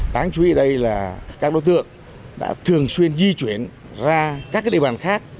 đáng chú ý đây là các đối tượng đã thường xuyên di chuyển ra các địa bàn khác